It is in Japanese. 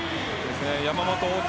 山本、大塚